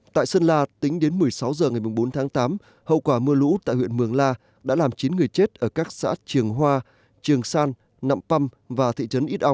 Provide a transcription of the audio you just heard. tại sơn la tính đến một mươi sáu h ngày bốn tháng tám hậu quả mưa lũ tại huyện mường la đã làm chín người chết ở các xã trường hoa triềng san nạm păm và thị trấn ít âu